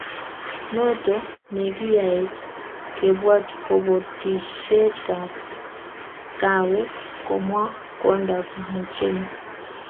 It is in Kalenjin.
noto nekiyaech kebwaat kabotisietab kaawek, komwa kwondab Muchemi